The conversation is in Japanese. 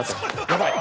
やばい。